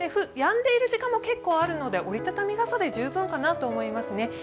やんでいる時間も結構あるので折り畳み傘で十分かなと思いますね。